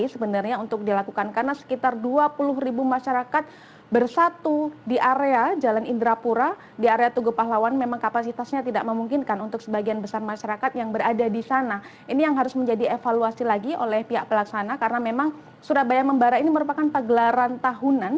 selamat malam eka